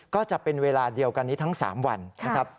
ก็จะเป็นเวลาเดียวกันนี้ทั้ง๓วันนะครับ